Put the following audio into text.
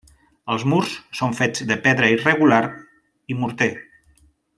Els murs són fets de pedra irregular i morter.